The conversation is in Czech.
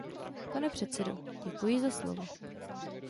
Pane předsedo, děkuji za slovo.